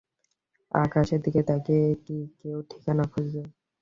আকাশের দিকে তাকিয়ে কি কেউ ঠিকানা খোঁজে?